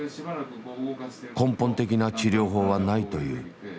根本的な治療法はないという。